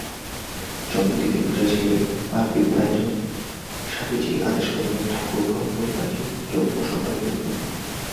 জন্মতিথিপূজায় সে-বার বিপুল আয়োজন! স্বামীজীর আদেশমত ঠাকুরঘর পরিপাটী দ্রব্যসম্ভারে পরিপূর্ণ।